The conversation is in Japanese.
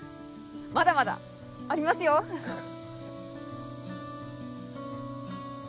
まだまだありますよ。ははっ。